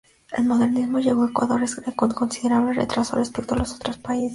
El Modernismo llegó a Ecuador con considerable retraso respecto a los otros países.